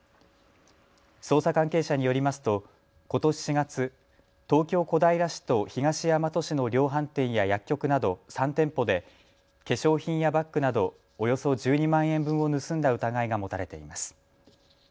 捜査関係者によりますとことし４月、東京小平市と東大和市の量販店や薬局など３店舗で化粧品やバッグなどおよそ１２万円分を盗んだ疑いが持たれています。